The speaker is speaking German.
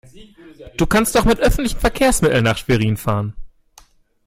Du kannst doch mit öffentlichen Verkehrsmitteln nach Schwerin fahren